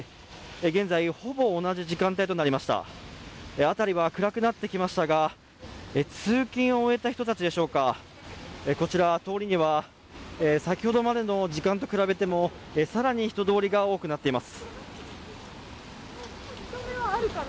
現在、ほぼ同じ時間帯となりました辺りは暗くなってきましたが、通勤を終えた人たちでしょうかこちら、通りには先ほどまでの時間と比べても更に人通りが多くなっています。